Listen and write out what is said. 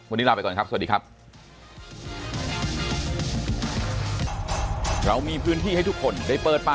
วันนี้ลาไปก่อนครับสวัสดีครับ